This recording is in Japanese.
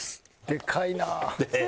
でかいなあ！